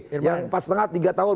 yang empat lima tiga tahun